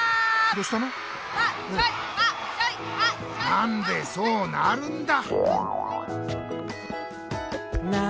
なんでそうなるんだ。